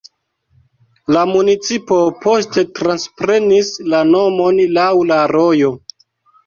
La municipo poste transprenis la nomon laŭ la rojo.